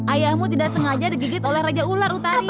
ayahmu tidak sengaja digigit oleh raja ular utari